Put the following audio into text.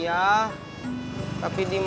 ada apa be